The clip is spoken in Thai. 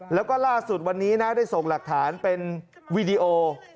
แล้วก็ล่าสุดวันนี้นะได้ส่งหลักฐานเป็นวีดีโอ